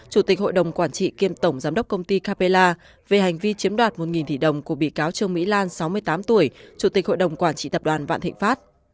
chủ tịch hội đồng quản trị kiêm tổng giám đốc công ty capella về hành vi chiếm đoạt một tỷ đồng của bị cáo trương mỹ lan sáu mươi tám tuổi chủ tịch hội đồng quản trị tập đoàn vạn thịnh pháp